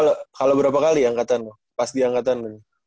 lu kalah berapa kali angkatan pas diangkatan